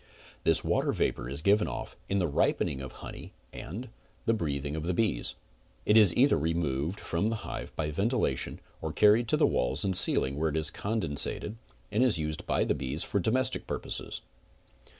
This water vapor is given off in the ripening of honey and the breathing of the bees. It is either removed from the hive by ventilation or carried to the walls and ceiling, where it is condensed and used by the bees for domestic purposes.